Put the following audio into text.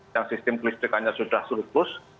yang sistem listrikannya sudah serupus